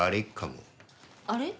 あれ？